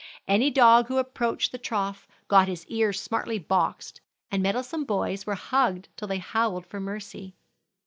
Any dog who approached the trough got his ears smartly boxed, and meddlesome boys were hugged till they howled for mercy.